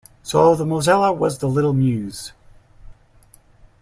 So the "Mosella" was the "Little Meuse".